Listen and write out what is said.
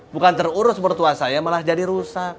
bukan terurus mertua saya malah jadi rusak